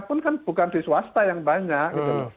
pun bukan di swasta yang banyak